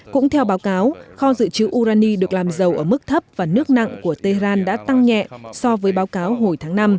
cũng theo báo cáo kho dự trữ urani được làm giàu ở mức thấp và nước nặng của tehran đã tăng nhẹ so với báo cáo hồi tháng năm